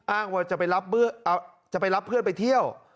อ้างว่าจะไปรับเพื่อนไปเที่ยว